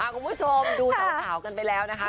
คุณผู้ชมดูสาวกันไปแล้วนะคะ